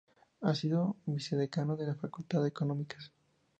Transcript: Ha sido vicedecano de la Facultad de Económicas.